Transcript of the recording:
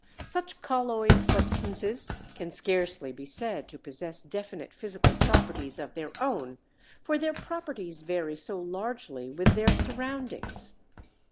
Such colloid substances can scarcely be said to possess definite physical properties of their own, for their properties vary so largely with their surroundings.